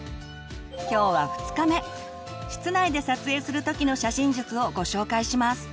今日は２日目室内で撮影する時の写真術をご紹介します。